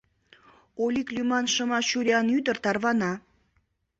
Олик лӱман шыма чуриян ӱдыр тарвана.